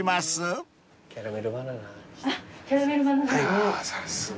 ああさすが。